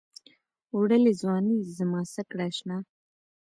وړلې ځــواني دې زمـا څه کړه اشـنا